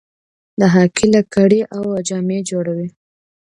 د هاکي لکړې او جامې جوړوي.